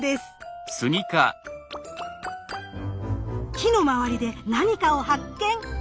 木の周りで何かを発見。